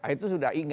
itu sudah ilhamnya